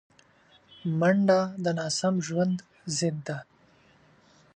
منډه د ناسم ژوند ضد ده